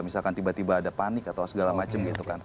misalkan tiba tiba ada panik atau segala macam gitu kan